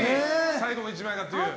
最後の１枚という。